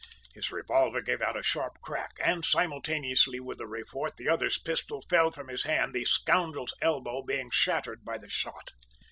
"His revolver gave out a sharp crack, and simultaneously with the report, the other's pistol fell from his hand, the scoundrel's elbow being shattered by the shot.